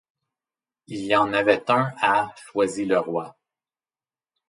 Il y en avait un à Choisy le Roi.